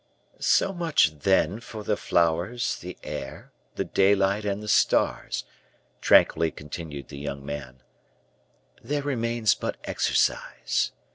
"So much, then, for the flowers, the air, the daylight, and the stars," tranquilly continued the young man; "there remains but exercise.